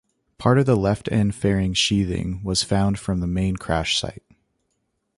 Part of the left end fairing sheathing was found from the main crash site.